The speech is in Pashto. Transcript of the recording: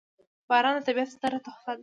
• باران د طبیعت ستره تحفه ده.